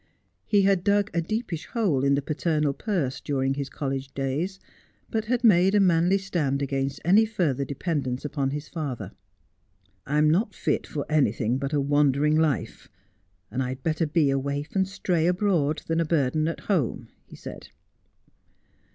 He had dug a deepish hole in the paternal purse during his college days, but had made a manly stand against any further depen dence upon his father. ' I am not fit for anything but a wander ing life, and I'd better be a waif and a stray abroad than a burden at home,' he said.